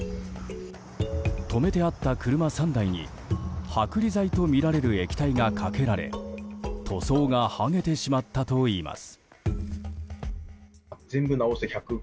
止めてあった車３台に剥離剤とみられる液体がかけられ塗装が剥げてしまったといいます。